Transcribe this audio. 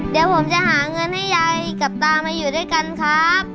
เดี๋ยวผมจะหาเงินให้ยายกับตามาอยู่ด้วยกันครับ